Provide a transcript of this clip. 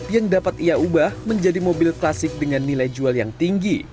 yang dapat ia ubah menjadi mobil klasik dengan nilai jual yang tinggi